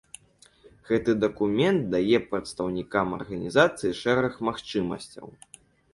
Гэты дакумент дае прадстаўнікам арганізацыі шэраг магчымасцяў.